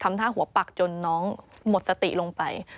ท่าหัวปักจนน้องหมดสติลงไป